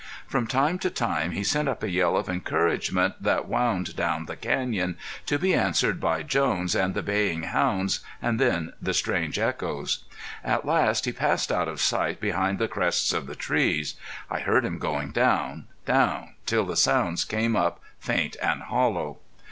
From time to time he sent up a yell of encouragement that wound down the canyon, to be answered by Jones and the baying hounds and then the strange echoes. At last he passed out of sight behind the crests of the trees; I heard him going down, down till the sounds came up faint and hollow.